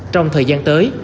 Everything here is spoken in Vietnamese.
trong thời gian tới